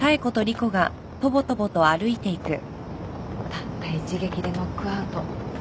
たった一撃でノックアウト。